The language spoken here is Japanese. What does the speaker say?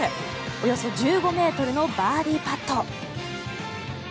およそ１５ｍのバーディーパット。